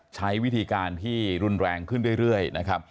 ใช้วิธีการที่รุนแรงขึ้นเรื่อยนะครับ